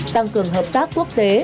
tăng cường hợp tác quốc tế